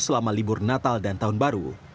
selama libur natal dan tahun baru